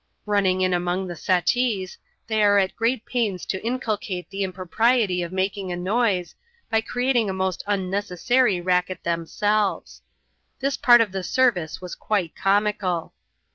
Eunning in among the settees, they are at great pains to inculcate the impropriety of making a noise, by creating a most unnecessary racket themselves. This part of the service was quite comical.